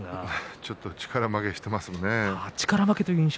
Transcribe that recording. ちょっと力負けをしていますね。